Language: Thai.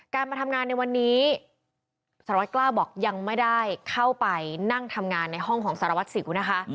มาทำงานในวันนี้สารวัตกล้าบอกยังไม่ได้เข้าไปนั่งทำงานในห้องของสารวัตรสิวนะคะ